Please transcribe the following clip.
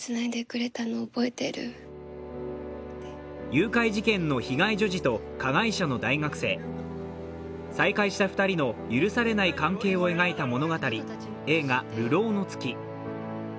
誘拐事件の被害女児と加害者の大学生再会した２人の許されない関係を描いた物語、映画「流浪の月」。